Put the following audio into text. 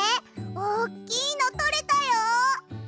おっきいのとれたよ！